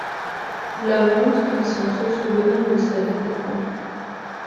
La montre est son seul souvenir de sa vie d'avant.